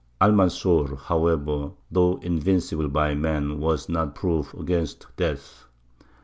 Almanzor, however, though invincible by man, was not proof against death.